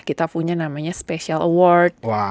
kita punya namanya special award